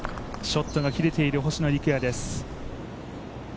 ショットがキレている星野陸也です。